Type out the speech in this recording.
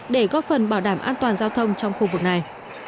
để góp phần bảo đảm an toàn giao thông trong khu vực này